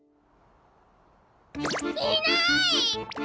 いない！